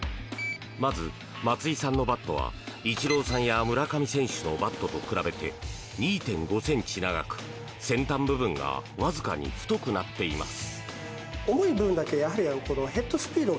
まず、松井さんのバットはイチローさんや村上選手のバットと比べて２．５ｃｍ長く、先端部分がわずかに太くなっています。